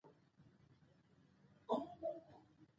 افغانستان له وګړي ډک دی.